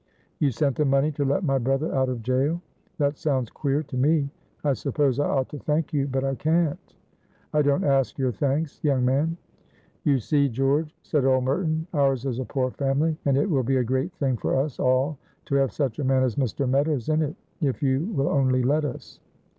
"You sent the money to let my brother out of jail? That sounds queer to me. I suppose I ought to thank you, but I can't." "I don't ask your thanks, young man." "You see, George," said old Merton, "ours is a poor family, and it will be a great thing for us all to have such a man as Mr. Meadows in it, if you will only let us."